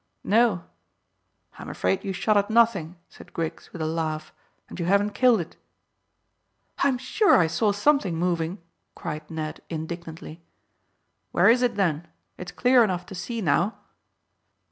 "No." "I'm afraid you shot at nothing," said Griggs, with a laugh, "and you haven't killed it." "I'm sure I saw something moving," cried Ned indignantly. "Where is it, then? It's clear enough to see now."